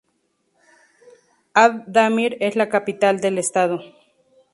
Ad-Damir es la capital del estado.